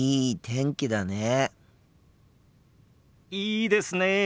いいですねえ。